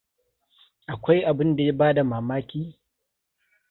Akwai abinda ya bada mamaki?